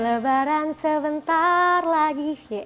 lebaran sebentar lagi